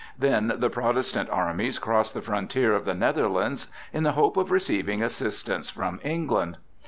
Then the Protestant armies crossed the frontier of the Netherlands in the hope of receiving assistance from England.